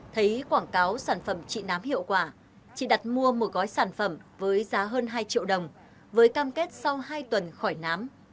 thấy quảng cáo sản phẩm trị nám hiệu quả chị đặt mua một gói sản phẩm với giá hơn hai triệu đồng với cam kết sau hai tuần khỏi nám